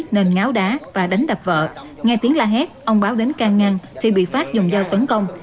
nên ngáo đá và đánh đập vợ nghe tiếng la hét ông báo đến can ngăn thì bị phát dùng dao tấn công